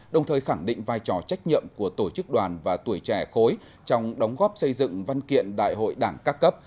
đồng thời khẳng định vai trò trách nhiệm của tổ chức đoàn và tuổi trẻ khối trong đóng góp xây dựng văn kiện đại hội đảng các cấp